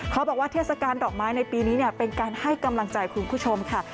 เขาบอกว่าเทศกาลดอกไม้ในปีนี้เป็นการให้กำลังใจคุณผู้ชมค่ะ